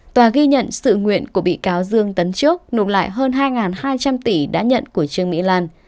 tòa ghi nhận sự nguyện của bị cáo dương tấn trước nộp lại hơn hai hai trăm linh tỷ đã nhận của trương mỹ lan